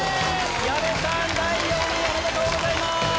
第４位おめでとうございます！